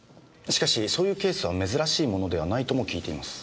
しかしそういうケースは珍しいものではないとも聞いています。